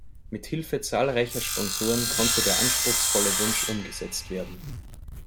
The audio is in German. Mit Hilfe zahlreicher Sponsoren konnte der anspruchsvolle Wunsch umgesetzt werden.